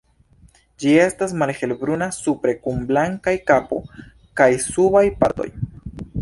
Ĝi estas malhelbruna supre kun blankaj kapo kaj subaj partoj.